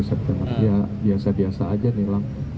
satu september ya biasa biasa aja nilang